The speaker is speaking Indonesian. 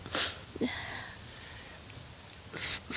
apapun yang terjadi